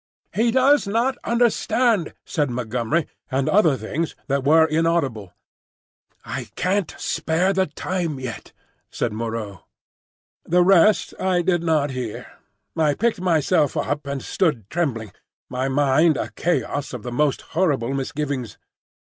"He does not understand," said Montgomery. and other things that were inaudible. "I can't spare the time yet," said Moreau. The rest I did not hear. I picked myself up and stood trembling, my mind a chaos of the most horrible misgivings.